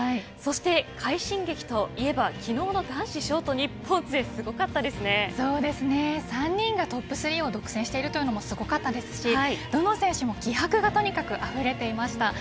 そして快進撃といえば昨日の男子ショート日本勢３人がトップ３を独占しているというのもすごかったですしどの選手も気迫がとにかくあふれていました。